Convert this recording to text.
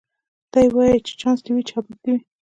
دی وايي چي چانس دي وي چابک دي وي